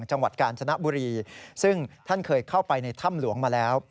จังหวัดกาญจนบุรีซึ่งท่านเคยเข้าไปในถ้ำหลวงมาแล้ว